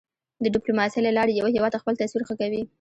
د ډیپلوماسی له لارې یو هېواد خپل تصویر ښه کوی.